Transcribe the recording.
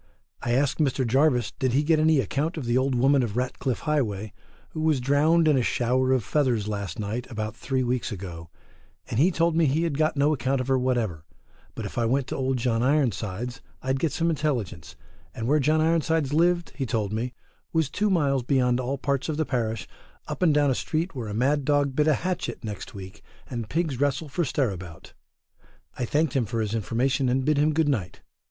I asked Mr Jarvis did he get any account of the Old Woman of Ratcliffe Highway, who was drowned in a shower of feathers last night about three weeks ago, and he told me he had got no account of her whatever, but if I went to John Ironsides I'd get some intelligence, and where John Ironsides lived he told me was two miles beyond all parts of the parish, up and down a street where a mad dog bit a hatchet next week, and pigs wrestle for stirabout: I thanked him for his information and bid him good night.